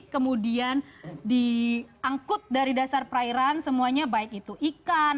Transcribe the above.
kemudian diangkut dari dasar perairan semuanya baik itu ikan